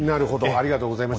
ありがとうございます。